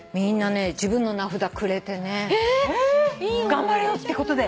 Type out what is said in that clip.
頑張れよってことで。